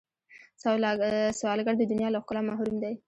سوالګر د دنیا له ښکلا محروم دی